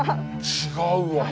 違うわ。